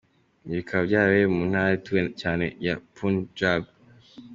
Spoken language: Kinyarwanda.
Ibi bikaba byarabereye mu ntara ituwe cyane ya Punjab.